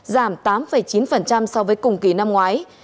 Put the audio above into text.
giảm tám chín so với cùng kỳ năm ngoái